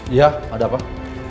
iya ada pak